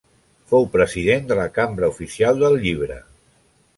Fou president de la Cambra Oficial del Llibre.